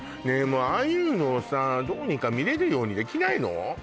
もうああいうのをさどうにか見れるようにできないの？